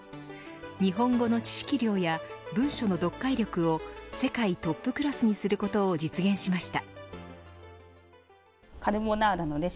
日本語の知識量や文書の読解力を世界トップクラスにすることを実現しました。